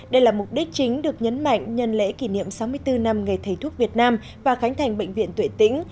đây là mục đích chính được nhấn mạnh nhân lễ kỷ niệm sáu mươi bốn năm ngày thầy thuốc việt nam và khánh thành bệnh viện tuệ tĩnh